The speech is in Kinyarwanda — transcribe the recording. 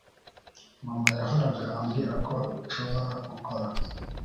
Mama yahoraga ambwira ko nzashobora gukora